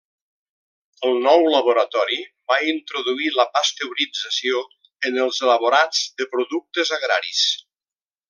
El nou laboratori va introduir la pasteurització en els elaborats de productes agraris.